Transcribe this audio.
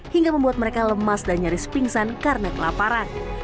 hingga membuat mereka lemas dan nyaris pingsan karena kelaparan